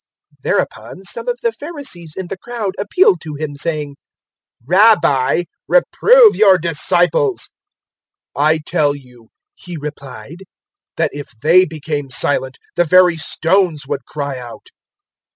019:039 Thereupon some of the Pharisees in the crowd appealed to Him, saying, "Rabbi, reprove your disciples." 019:040 "I tell you," He replied, "that if *they* became silent, the very stones would cry out."